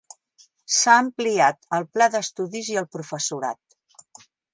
S'ha ampliat el pla d'estudis i el professorat.